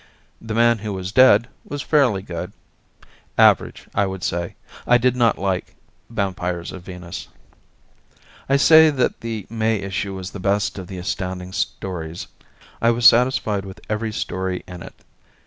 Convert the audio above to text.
"The Man Who Was Dead" was fairly good; average, I would say. I did not like "Vampires of Venus." I say that the May issue was the best of the Astounding Stories. I was satisfied with every story in it.